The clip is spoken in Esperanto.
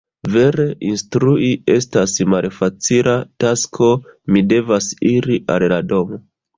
Vere, instrui estas malfacila tasko. Mi devas iri al la domo.